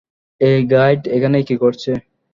এই গাইড এখানে কি করছে?